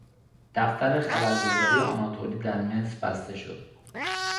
دفتر خبرگزاری آناتولی در مصر بسته شد.